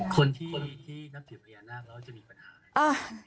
คนที่นับถือพญานาคแล้วจะมีปัญหา